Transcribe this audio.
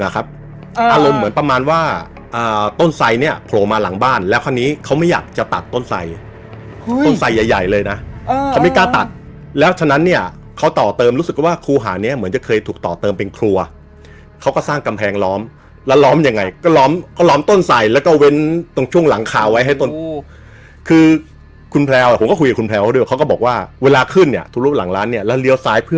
เขาไม่อยากจะตัดต้นไซด์ต้นไซด์ใหญ่เลยนะเขาไม่กล้าตัดแล้วฉะนั้นเนี่ยเขาต่อเติมรู้สึกว่าครูหานี้เหมือนจะเคยถูกต่อเติมเป็นครัวเขาก็สร้างกำแพงล้อมแล้วล้อมยังไงก็ล้อมต้นไซด์แล้วก็เว้นตรงช่วงหลังคาไว้ให้ต้นคือคุณแพรวผมก็คุยกับคุณแพรวเขาด้วยเขาก็บอกว่าเวลาขึ้นเนี่ยทุ